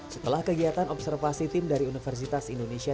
setelah kegiatan observasi tim dari universitas indonesia